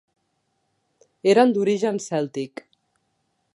Eren d'origen cèltic.